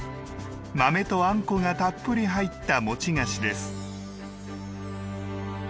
豆とあんこがたっぷり入った餅菓子です。